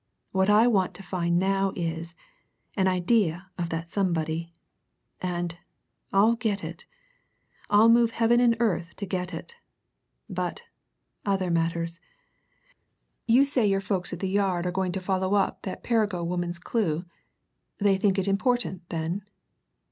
What I want to find now is an idea of that somebody. And I'll get it! I'll move heaven and earth to get it! But other matters. You say your folks at the Yard are going to follow up that Perrigo woman's clue? They think it important, then?"